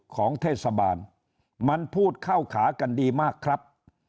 ของเทศบาลมันพูดเข้าขากันดีมากครับ